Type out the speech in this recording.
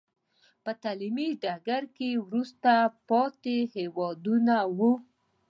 په تعلیمي ډګر کې وروسته پاتې هېوادونه وو.